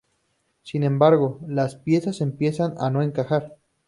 Sin embargo, las piezas empiezan a no encajar.